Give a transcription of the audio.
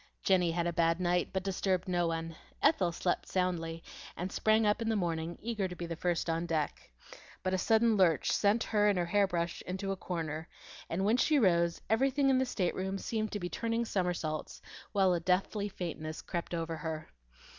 Jenny had a bad night, but disturbed no one. Ethel slept soundly, and sprang up in the morning, eager to be the first on deck. But a sudden lurch sent her and her hair brush into a corner: and when she rose, everything in the stateroom seemed to be turning somersaults, while a deathly faintness crept over her.